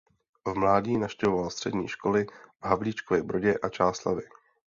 V mládí navštěvoval střední školy v Havlíčkově Brodě a Čáslavi.